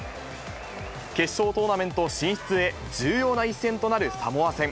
決勝トーナメント進出へ重要な一戦となるサモア戦。